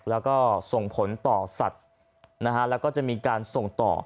แล้วก็ส่งผลต่อสัตว์แล้วก็จะมีการส่งต่อ